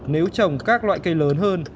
nếu trồng các loại cây lớn hơn